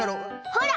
ほら！